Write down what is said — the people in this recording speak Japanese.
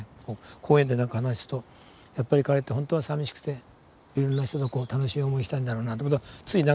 講演でなんかで話するとやっぱり彼ってほんとはさみしくていろんな人と楽しい思いしたいんだろうなって事は。